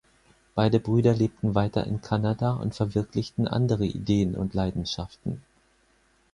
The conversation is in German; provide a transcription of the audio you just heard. Beide Brüder lebten weiter in Kanada und verwirklichten andere Ideen und Leidenschaften.